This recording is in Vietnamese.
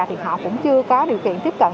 thì họ cũng chưa có điều kiện tiếp cận